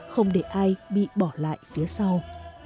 không để ai bị bỏ lại phía sau